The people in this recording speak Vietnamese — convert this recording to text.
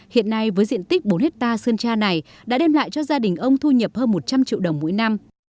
hiện nay với diện tích bốn hectare sơn tra này đã đem lại cho gia đình ông thu nhập hơn một trăm linh triệu đồng mỗi năm